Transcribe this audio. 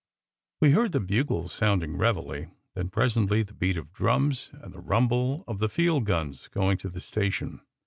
We heard the bugles sounding reveille; then presently the beat of drums and the rumble of the field guns going to the station.